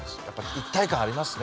一体感、ありますね